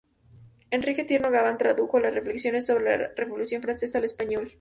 Enrique Tierno Galván tradujo las "Reflexiones sobre la Revolución francesa" al español.